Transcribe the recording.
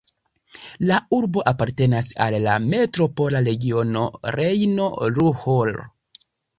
La urbo apartenas al la Metropola regiono Rejno-Ruhr.